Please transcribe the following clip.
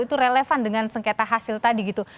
itu relevan dengan sengketa hasil tadi gitu